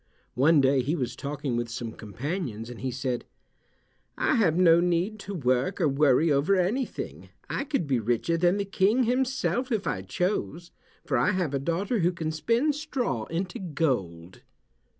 One day he was talking with some companions and he said, "I have no need to work or worry over anything. I could be richer than the King himself if I chose, for I have a daughter who can spin straw into gold."